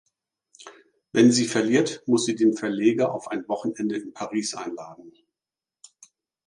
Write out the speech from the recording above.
Wenn sie verliert, muss sie den Verleger auf ein Wochenende in Paris einladen.